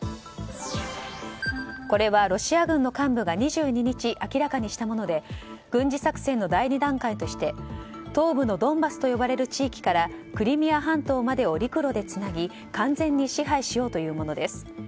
これはロシア軍の幹部が２２日明らかにしたもので軍事作戦の第２段階として東部のドンバスと呼ばれる地域からクリミア半島までを陸路でつなぎ完全に支配しようというものです。